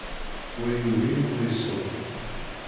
Wa yuli, wa iṣubb.